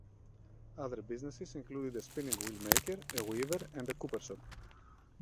Other businesses included a spinning wheel maker, a weaver, and a cooper shop.